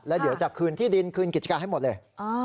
แล้วเดี๋ยวจะคืนที่ดินคืนกิจการให้หมดเลย